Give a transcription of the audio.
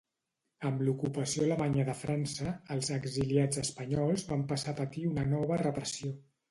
Amb l'ocupació alemanya de França, els exiliats espanyols van passar a patir una nova repressió.